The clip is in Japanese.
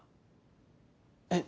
えっ？